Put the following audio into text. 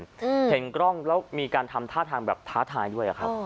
อืมเห็นกล้องแล้วมีการทำท่าทางแบบท้าทายด้วยอ่ะครับ